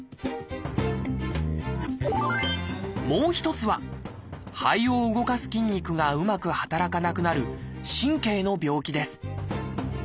もう一つは肺を動かす筋肉がうまく働かなくなる神経の病気です。